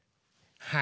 はい。